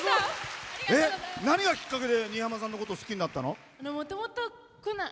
何がきっかけで新浜さんのこと好きになったの？